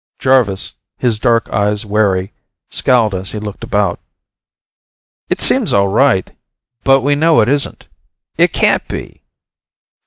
Jarvis, his dark eyes wary, scowled as he looked about. "It seems all right. But we know it isn't. It can't be."